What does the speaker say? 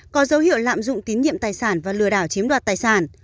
có dấu hiệu lạm dụng tín nhiệm tài sản và lừa đảo chiếm đoạt tài sản